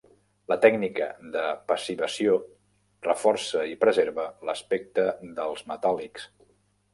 La tècnica de passivació reforça i preserva l'aspecte dels metàl·lics.